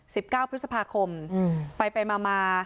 สิบเก้าพฤษภาคมไปมา